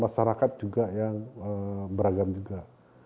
masyarakat juga yang beragam juga